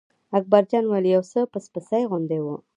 اکبر جان وویل: یو څه پس پسي غوندې و.